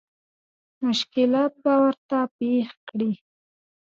مشکلات به ورته پېښ کړي.